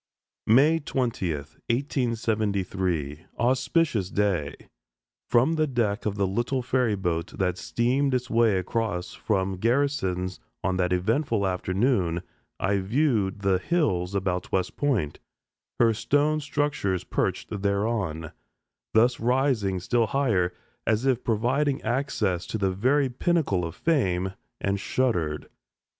May 20th, 1873! Auspicious day! From the deck of the little ferry boat that steamed its way across from Garrison's on that eventful afternoon I viewed the hills about West Point, her stone structures perched thereon, thus rising still higher, as if providing access to the very pinnacle of fame, and shuddered.